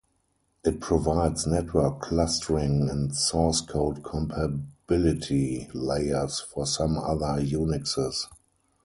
It provides network clustering and source code compatibility layers for some other Unixes.